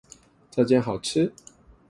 這間好吃